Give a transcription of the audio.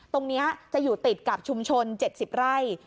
ตรงนี้จะอยู่ติดกับชุมชน๗๐ไร่